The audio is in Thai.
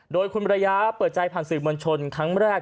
โดยคุณระยะเปิดใจผ่านสื่อมวลชนครั้งแรก